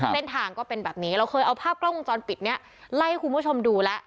เส้นทางก็เป็นแบบนี้เราเคยเอาภาพกล้องวงจรปิดนี้ไล่ให้คุณผู้ชมดูแล้ว